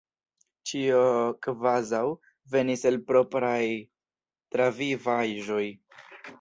Ĉio kvazaŭ venis el propraj travivaĵoj.